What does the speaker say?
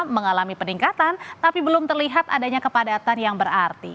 mengalami peningkatan tapi belum terlihat adanya kepadatan yang berarti